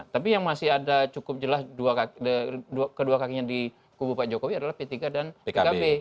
tapi yang masih ada cukup jelas kedua kakinya di kubu pak jokowi adalah p tiga dan pkb